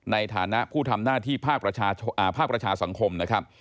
ในฐานะผู้ทำหน้าที่ผ้าประชาสังคม